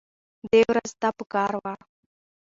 دې ورځ ته پکار وه